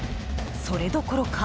それどころか。